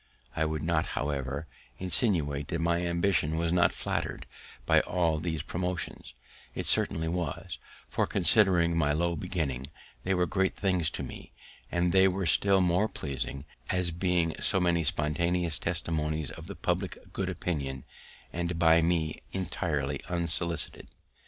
I would not, however, insinuate that my ambition was not flatter'd by all these promotions; it certainly was; for, considering my low beginning, they were great things to me; and they were still more pleasing, as being so many spontaneous testimonies of the public good opinion, and by me entirely unsolicited.